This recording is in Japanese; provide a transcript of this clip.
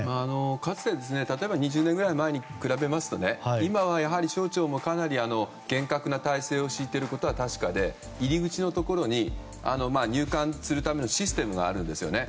かつて例えば２０年ぐらい前に比べますと、今はやはり省庁もかなり厳格な態勢を敷いていることは確かで、入り口のところに入館するためのシステムがあるんですよね。